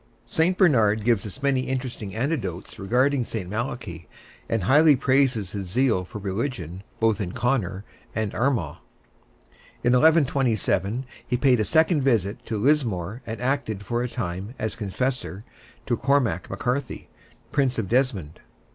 St. Bernard gives us many interesting anecdotes regarding St. Malachy, and highly praises his zeal for religion both in Connor and Armagh. In 1127 he paid a second visit to Lismore and acted for a time as confessor to Cormac MacCarthy, Prince of Desmond.